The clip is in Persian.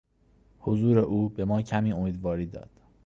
حضور او به ما کمی امیدواری داد.